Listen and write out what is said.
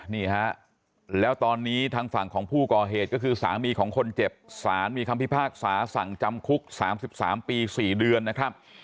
นี่ฮะแล้วตอนนี้ทางฝั่งของผู้ก่อเหตุก็คือสามีของคนเจ็บสารมีคำพิพากษาสั่งจำคุก๓๓ปี๔เดือนนะครับ